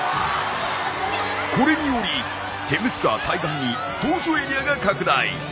これによりテムズ川対岸に逃走エリアが拡大。